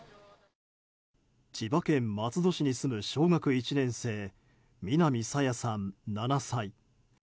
千葉県松戸市に住む小学１年生南朝芽さん、７歳。